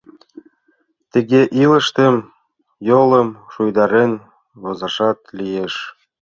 Тыге илыштым, йолым шуйдарен возашат лиеш.